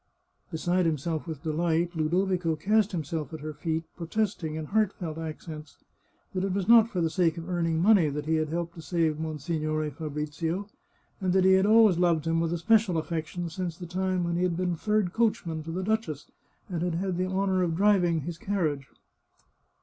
Beside himself with delight, Ludovico cast himself at her feet, protesting, in heartfelt accents, that it was not for the sake of earning money that he had helped to save Monsignore Fabrizio, and that he had always loved him with a special affection since the time when he had been third coachman to the duchess, and had had the honour of driving his carriage.